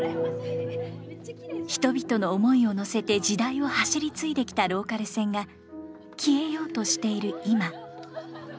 人々の思いを乗せて時代を走り継いできたローカル線が消えようとしている今。